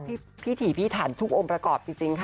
เพียบพี่ถี่อมประกอบที่จริงค่ะ